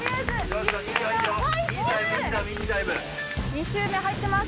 ２周目入ってます。